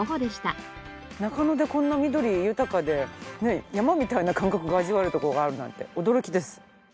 中野でこんな緑豊かで山みたいな感覚が味わえる所があるなんて驚きです。